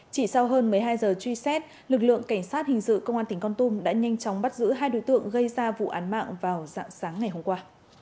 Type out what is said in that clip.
chỉ sau hơn một mươi hai giờ truy xét lực lượng cảnh sát hình sự công an tỉnh con tum đã nhanh chóng bắt giữ hai đối tượng gây ra vụ án mạng vào dạng sáng ngày hôm qua